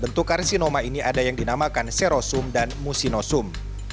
bentuk karsinoma ini ada yang dinamakan serosum dan musinosum